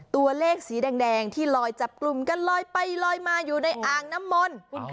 ตัวเลขสีแดงที่ลอยจับกลุ่มกันลอยไปลอยมาอยู่ในอ่างน้ำมนต์